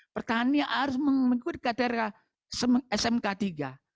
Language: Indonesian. petani harus mengikuti ktrk smk iii